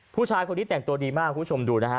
ผู้ชายคนนี้แต่งตัวดีมากคุณผู้ชมดูนะฮะ